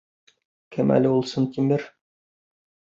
— Кем әле ул Сынтимер?